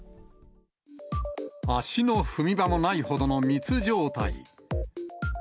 足の踏み場もないほどの密状態。